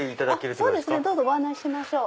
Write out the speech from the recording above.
そうですねご案内しましょう。